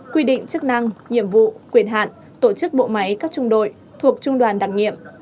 quy định chức năng nhiệm vụ quyền hạn tổ chức bộ máy các trung đội thuộc trung đoàn đặc nhiệm